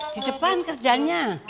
di depan kerjanya